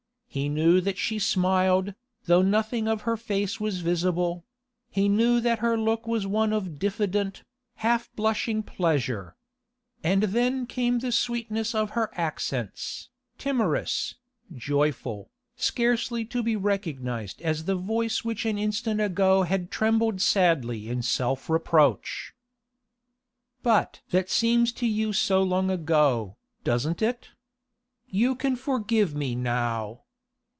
He knew that she smiled, though nothing of her face was visible; he knew that her look was one of diffident, half blushing pleasure. And then came the sweetness of her accents, timorous, joyful, scarcely to be recognised as the voice which an instant ago had trembled sadly in self reproach. 'But that seems to you so long ago, doesn't it? You can forgive me now.